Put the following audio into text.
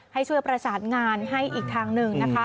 ให้ช่วยประสานงานให้อีกทางหนึ่งนะคะ